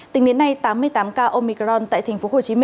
tính đến nay tám mươi tám ca omicron tại tp hcm